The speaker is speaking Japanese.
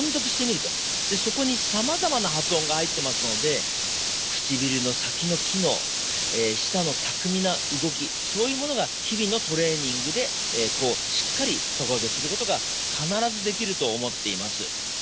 でそこにさまざまな発音が入ってますので唇の先の機能舌の巧みな動きそういうものが日々のトレーニングでしっかり底上げすることが必ずできると思っています。